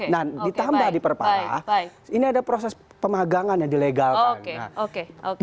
nah ditambah diperparah ini ada proses pemagangan yang dilegalkan